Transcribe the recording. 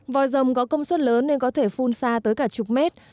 vòi rồng có công suất lớn nên có thể phun xa tới cả chục mét